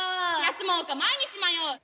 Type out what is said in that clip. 休もうか毎日迷う。